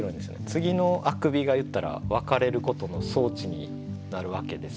次のあくびが言ったら別れることの装置になるわけですよね。